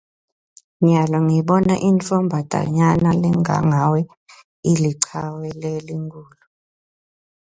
Nyalo ngibona intfombatanyana lengangawe ilichawe lelikhulu.